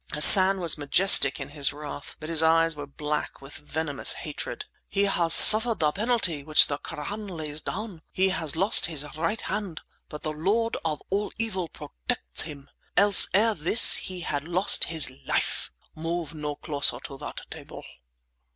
Hassan was majestic in his wrath; but his eyes were black with venomous hatred. "He has suffered the penalty which the Koran lays down; he has lost his right hand. But the lord of all evil protects him, else ere this he had lost his life! Move no closer to that table!"